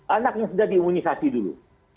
anak yang sudah diimunisasi dulu